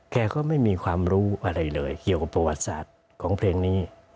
แกก็ไม่มีความรู้อะไรเลยเกี่ยวกับประวัติศาสตร์ของเพลงนี้